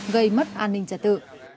gây mất an ninh trả tự